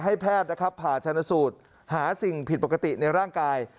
ให้แพทย์นะครับผ่าชนสูตรหาสิ่งผิดปกติในร่างกาย